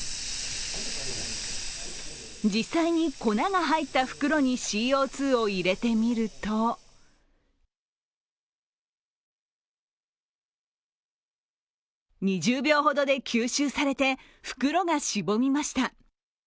実際に粉が入った袋にＣＯ２を入れてみると２０秒ほどで吸収されて袋がしぼみました。